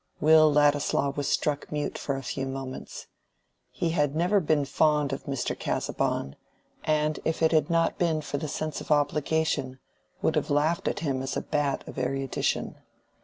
Will Ladislaw was struck mute for a few moments. He had never been fond of Mr. Casaubon, and if it had not been for the sense of obligation, would have laughed at him as a Bat of erudition.